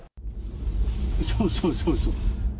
うそうそ、うそうそ。